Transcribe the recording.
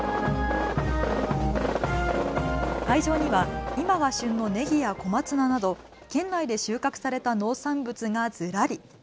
会場には今が旬のねぎや小松菜など県内で収穫された農産物がずらり。